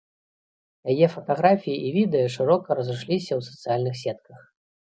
Яе фатаграфіі і відэа шырока разышліся ў сацыяльных сетках.